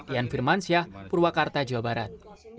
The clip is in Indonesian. ian firmansyah purwakarta jawa barat